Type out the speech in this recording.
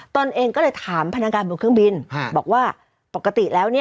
ตนเองก็เลยถามพนักงานบนเครื่องบินบอกว่าปกติแล้ว